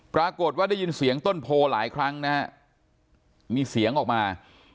ปรากฏว่าได้ยินเสียงต้นโพหลายครั้งนะฮะมีเสียงออกมา